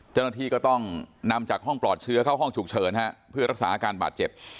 เจ้าหน้าที่ก็ต้องนำจากห้องปลอดเชื้อเข้าห้องฉุกเฉินฮะเพื่อรักษาอาการบาดเจ็บ